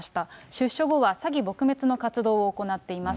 出所後は詐欺撲滅の活動を行っています。